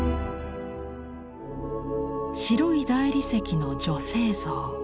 白い大理石の女性像。